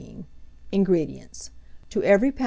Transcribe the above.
INGREDIENTS. To every lb.